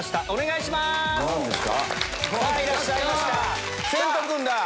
さぁいらっしゃいました。